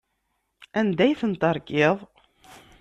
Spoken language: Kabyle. Anda ay tent-terkiḍ?